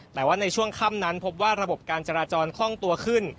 แต่ว่าในช่วงค่ำนั้นพบว่าระบบการจราจรคล่องตัวขึ้น